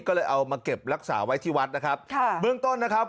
ก็เลยเอามาเก็บรักษาไว้ที่วัดนะครับค่ะเบื้องต้นนะครับ